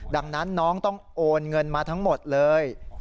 ดังนั้นน้องต้องโอนเงินมาทั้งหมดเลย